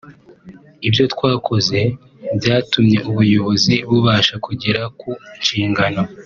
ibyo twakoze byatumye ubuyobozi bubasha kugera ku nshingano